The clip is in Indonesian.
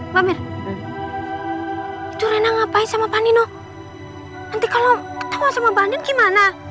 mbak mir itu rena ngapain sama pak nino nanti kalau ketawa sama mbak andin gimana